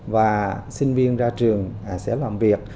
và sinh viên ra trường sẽ làm việc